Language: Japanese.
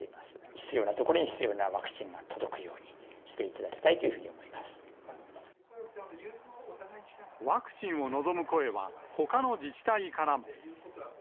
必要なところに必要なワクチンが届くようにしていただきたいといワクチンを望む声は、ほかの自治体からも。